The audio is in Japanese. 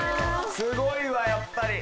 すごいわやっぱり。